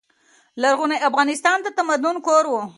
لرغونی افغانستان د تمدن کور و.